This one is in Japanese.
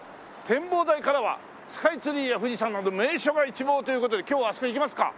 「展望台からはスカイツリーや富士山など名所が一望！」という事で今日はあそこ行きますか？